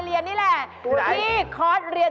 เดี๋ยวไปด้วยกันไปสมัครเรียน